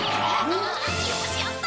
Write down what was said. よしやった！